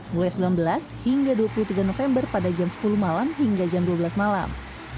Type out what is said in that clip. mulai sembilan belas hingga dua puluh tiga november pada jam sepuluh malam hingga jam dua belas malam